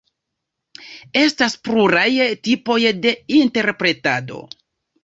Estas pluraj tipoj de interpretado.